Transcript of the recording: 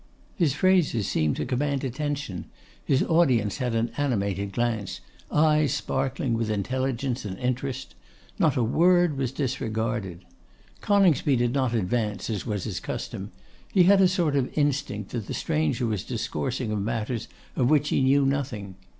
His phrases seemed to command attention; his audience had an animated glance, eyes sparkling with intelligence and interest; not a word was disregarded. Coningsby did not advance as was his custom; he had a sort of instinct, that the stranger was discoursing of matters of which he knew nothing.